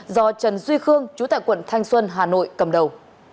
do trần duy khương chú tại quận thanh xuân hà nội cầm đầu